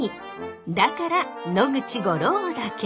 だから野口五郎岳。